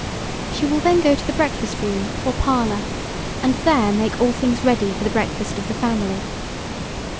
She will then go to the breakfast room, or parlour, and there make all things ready for the breakfast of the family.